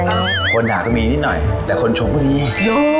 ที่คนหนาาก็มีนิดหน่อยแต่คนชงก็เยอะเยอะ